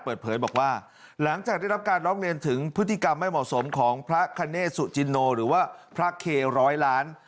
เปิดเผยบอกว่าหลังจากได้รับการร้องเรียนถึงพฤติกรรมไม่เหมาะสมของพระคเนตสุจินโนหรือว่าพระเคร้อยล้าน